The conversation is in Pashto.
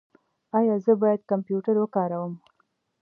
ایا زه باید کمپیوټر وکاروم؟